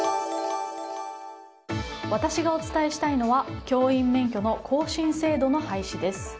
私がお伝えしたいのは教員免許の更新制度の廃止です。